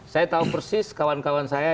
saya tahu persis kawan kawan saya